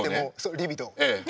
リビドー。